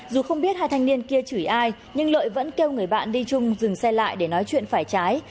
dù không biết hai thanh niên kia chửi ai nhưng lợi vẫn kêu người bạn đi chung dừng xe lại để nói chuyện phải trái